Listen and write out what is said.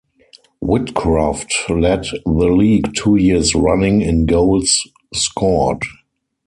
Whitcroft led the league two years running in goals scored.